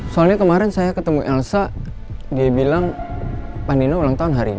soalnya kemarin saya ketemu elsa dia bilang pak nina ulang tahun hari ini